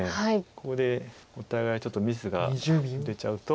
ここでお互いちょっとミスが出ちゃうと。